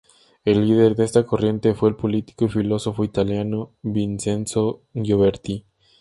El líder de esta corriente fue el político y filósofo italiano Vincenzo Gioberti.